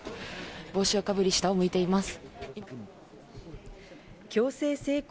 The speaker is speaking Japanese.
帽子をかぶり、下を向いています。